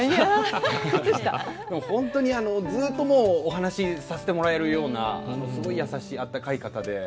でも本当にあのずっともうお話しさせてもらえるようなすごい優しいあったかい方で。